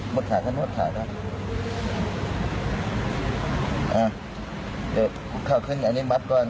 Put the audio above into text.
บวชขาขึ้นบวชขาด้วยเอาเดี๋ยวพูดข่าวขึ้นอันนี้มัดก่อน